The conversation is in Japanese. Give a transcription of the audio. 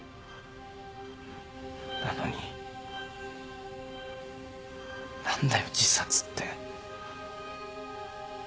なのに何だよ自殺って。